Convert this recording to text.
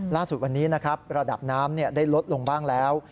ล่าสุดวันนี้นะครับระดับน้ำได้ลดลงบ้างแล้ว